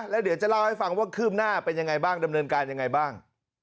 แล้วเดี๋ยวจะเล่าให้ฟังว่าคืบหน้าเป็นยังไงบ้างดำเนินการยังไงบ้าง